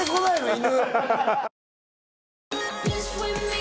犬。